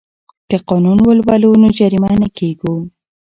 که قانون ولولو نو جریمه نه کیږو.